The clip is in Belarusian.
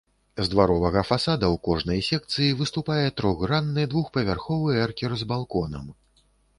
З дваровага фасада ў кожнай секцыі выступае трохгранны двухпавярховы эркер з балконам.